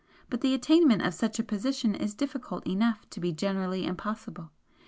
But the attainment of such a position is difficult enough to be generally impossible.